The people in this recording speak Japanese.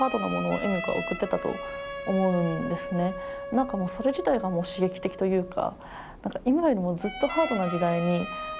何かもうそれ自体がもう刺激的というか。